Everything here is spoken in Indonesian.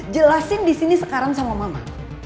jelasin disini sekarang sama mama